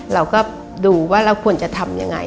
เราก็ดูว่าเราควรจะทำยังไง